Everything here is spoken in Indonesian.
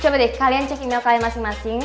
coba deh kalian cek email kalian masing masing